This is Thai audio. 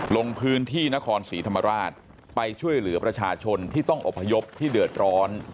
ลงพื้นที่นครศรีธรรมราชไปช่วยเหลือประชาชนที่ต้องอบพยพที่เดือดร้อน